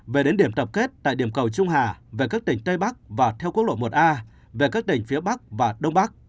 về đến điểm tập kết tại điểm cầu trung hà về các tỉnh tây bắc và theo quốc lộ một a về các tỉnh phía bắc và đông bắc